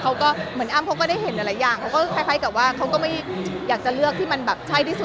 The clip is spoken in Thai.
เหมือนอ้ำเขาก็ได้เห็นหลายอย่างเขาก็คล้ายกับว่าเขาก็ไม่อยากจะเลือกที่มันแบบใช่ที่สุด